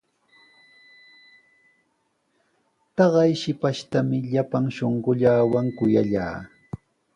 Taqay shipashtami llapan shunquuwan kuyallaa.